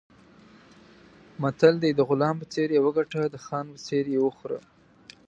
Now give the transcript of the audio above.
متل دی: د غلام په څېر یې وګټه، د خان په څېر یې وخوره.